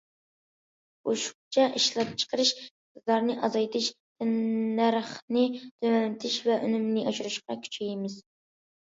ئوشۇقچە ئىشلەپچىقىرىش ئىقتىدارىنى ئازايتىش، تەننەرخنى تۆۋەنلىتىش ۋە ئۈنۈمنى ئاشۇرۇشقا كۈچەيمىز.